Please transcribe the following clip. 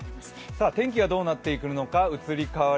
天気がどうなっていくのか移り変わり